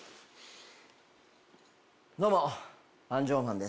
どうも。